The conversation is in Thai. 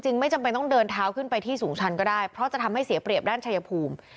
ไม่จำเป็นต้องเดินเท้าขึ้นไปที่สูงชันก็ได้เพราะจะทำให้เสียเปรียบด้านชายภูมิ